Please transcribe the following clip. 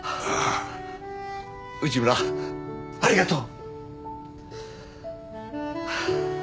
内村ありがとう！